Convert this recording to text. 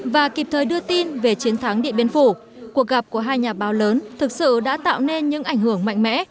và kịp thời đưa tin về chiến thắng điện biên phủ cuộc gặp của hai nhà báo lớn thực sự đã tạo nên những ảnh hưởng mạnh mẽ